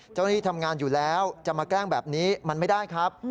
เจ้าหน้าที่ทำงานอยู่แล้วจะมาแกล้งแบบนี้มันไม่ได้ครับ